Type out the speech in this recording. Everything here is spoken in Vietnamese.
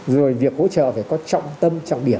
rồi việc hỗ trợ phải có trọng tâm trọng điểm